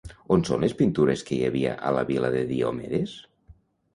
On són les pintures que hi havia la Vil·la de Diomedes?